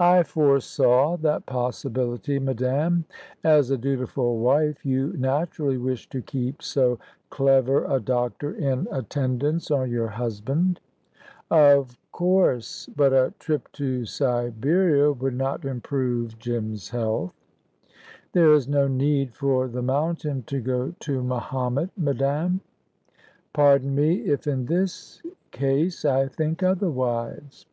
"I foresaw that possibility, madame. As a dutiful wife, you naturally wish to keep so clever a doctor in attendance on your husband." "Of course; but a trip to Siberia would not improve Jim's health." "There is no need for the mountain to go to Mahomet, madame." "Pardon me if in this case I think otherwise."